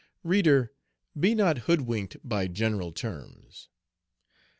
Reader, be not hoodwinked by general terms.